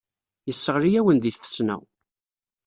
Yesseɣli-awen deg tfesna.